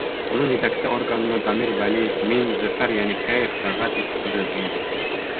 Уның етәксе органына Дамир Вәлиев, мин, Зөфәр Йәнекәев, Тәлғәт Исҡужин инде.